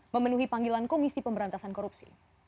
memenuhi panggilan komisi pemberantasan korupsi